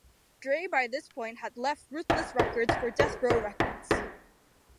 Dre by this point had left Ruthless Records for Death Row Records.